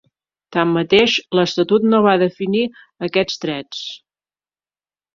Tanmateix, l'estatut no va definir aquests drets.